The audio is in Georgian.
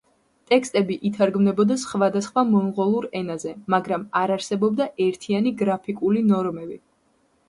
ტექსტები ითარგმნებოდა სხვადასხვა მონღოლურ ენაზე, მაგრამ არ არსებობდა ერთიანი გრაფიკული ნორმები.